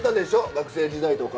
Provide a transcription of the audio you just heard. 学生時代とか。